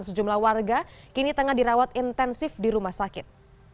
sejumlah warga kini tengah dirawat intensif di rumah sakit